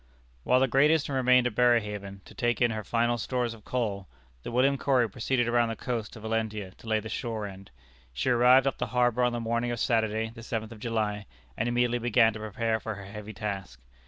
] While the Great Eastern remained at Berehaven, to take in her final stores of coal, the William Corry proceeded around the coast to Valentia to lay the shore end. She arrived off the harbor on the morning of Saturday, the seventh of July, and immediately began to prepare for her heavy task.